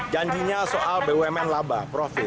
janjinya soal bumn laba prof